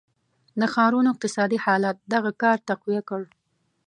د ښارونو اقتصادي حالت دغه کار تقویه کړ.